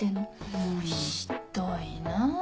もうひっどいな。